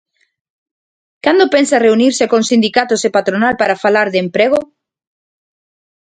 ¿Cando pensa reunirse con sindicatos e patronal para falar de emprego?